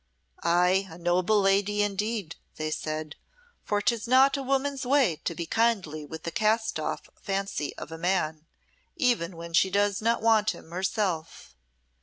"Ay, a noble lady indeed," they said. "For 'tis not a woman's way to be kindly with the cast off fancy of a man, even when she does not want him herself.